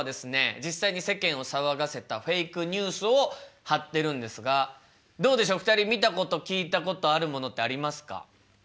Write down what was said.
実際に世間を騒がせたフェイクニュースを貼ってるんですがどうでしょう２人見たこと聞いたことあるものってありますか？